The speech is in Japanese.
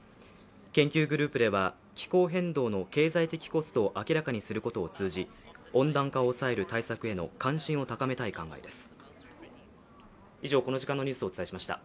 研究グループでは気候変動の経済的コストを明らかにすることを通じ、温暖化を抑える対策への関心を高めたい考えです。